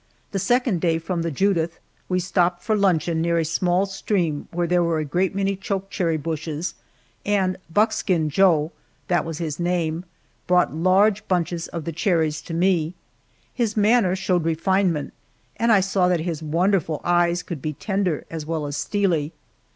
The second day from the Judith, we stopped for luncheon near a small stream where there were a great many choke cherry bushes, and "Buckskin Joe"* that was his name brought large bunches of the cherries to me. His manner showed refinement, and I saw that his wonderful eyes could be tender as well as steely.